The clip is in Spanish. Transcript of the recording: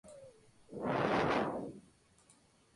A esto se le ha considerado otra parte del mestizaje.